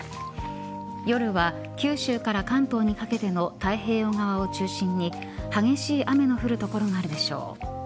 夜は九州から関東にかけての太平洋側を中心に激しい雨が降る所があるでしょう。